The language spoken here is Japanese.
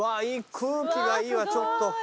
空気がいいわちょっと。